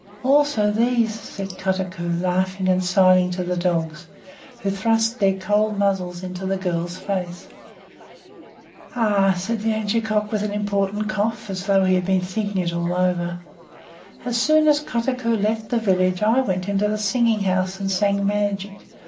"Also these!" said Kotuko, laughing and signing to the dogs, who thrust their cold muzzles into the girl's face. "Ah," said the angekok, with an important cough, as though he had been thinking it all over. "As soon as Kotuko left the village I went to the Singing House and sang magic.